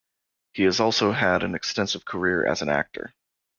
He has also had an extensive career as an actor.